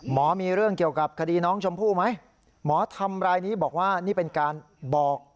หมอมีเรื่องเกี่ยวกับคดีน้องชมพู่ไหมหมอทำรายนี้บอกว่านี่เป็นการบอก